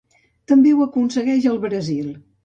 També ho aconsegueix al Brasil.